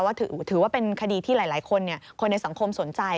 ถือว่าเป็นคดีที่หลายคนคนในสังคมสนใจ